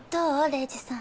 礼二さん。